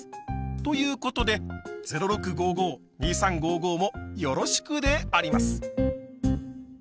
ということで「０６５５」「２３５５」もよろしくであります！